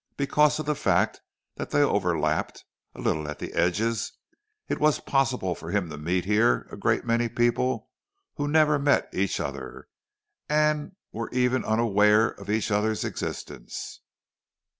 Because of the fact that they overlapped a little at the edges, it was possible for him to meet here a great many people who never met each other, and were even unaware of each other's existence.